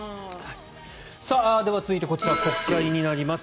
では続いては国会になります。